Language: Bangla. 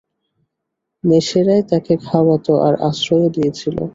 মেষেরাই তাকে খাওয়াত আর আশ্রয়ও দিয়েছিল।